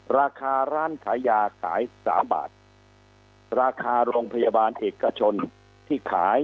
ราคาร้านขายยาขายสามบาทราคาโรงพยาบาลเอกชนที่ขาย